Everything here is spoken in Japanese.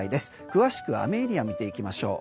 詳しく雨エリアを見ていきましょう。